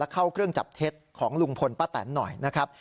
เข้าเครื่องจับเท็จของลุงพลป้าแตนหน่อยนะครับ